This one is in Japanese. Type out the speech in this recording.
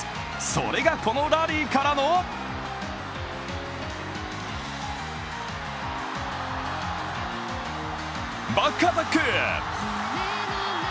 それがこのラリーからのバックアタック！